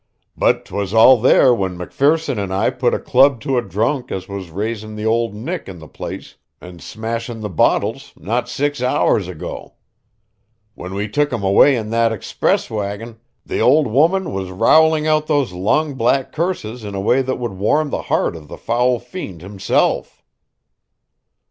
"But 'twas all there when McPherson and I put a club to a drunk as was raising the Ould Nick in the place and smashing the bottles, not six hours ago. When we took him away in the ixpriss wagon the ould woman was rowling out those long black curses in a way that would warm the heart of the foul fiend himself."